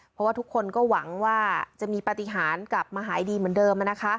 เพราะว่าทุกคนก็หวังว่าจะมีปฏิหารกลับมาหายดีเหมือนเดิม